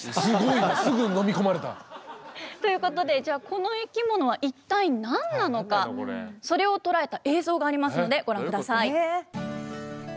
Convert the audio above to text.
すごいなすぐ飲み込まれた。ということでじゃあこの生き物は一体何なのかそれを捉えた映像がありますのでご覧下さい。